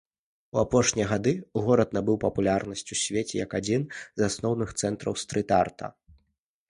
У апошнія гады горад набыў папулярнасць у свеце як адзін з асноўных цэнтраў стрыт-арта.